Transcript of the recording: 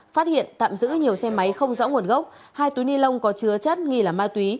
phát hiện tạm giữ nhiều xe máy không rõ nguồn gốc hai túi ni lông có chứa chất nghi là ma túy